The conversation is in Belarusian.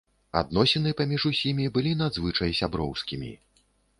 Адносіны паміж усімі былі надзвычай сяброўскімі.